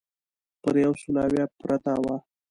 پر یو سل اویا پرته وه.